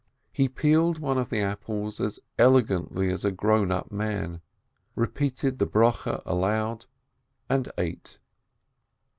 He peeled one of the apples as elegantly as a grown up man, repeated the blessing aloud, and ate.